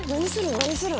何するん？